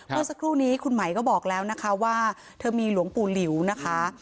เมื่อสักครู่นี้คุณไหมก็บอกแล้วนะคะว่าเธอมีหลวงปู่หลิวนะคะ